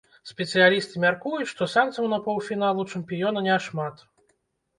Спецыялісты мяркуюць, што шанцаў на паўфінал у чэмпіёна не шмат.